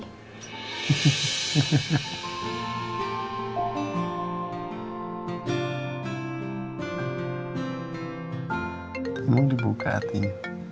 emang dibuka hatinya